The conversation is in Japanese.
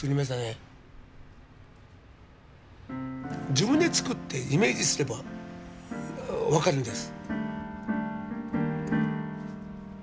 自分で作ってイメージすれば分かるんです。